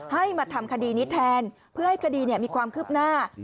ให้มาทำคดีนี้แทนเพื่อให้คดีมีความคืบหน้า